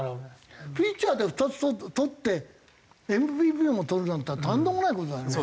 ピッチャーで２つとってＭＶＰもとるなんていうのはとんでもない事だよね。